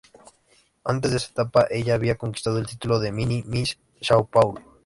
Antes de esa etapa, ella había conquistado el título de Mini Miss São Paulo.